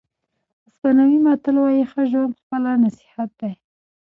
اسپانوي متل وایي ښه ژوند خپله نصیحت دی.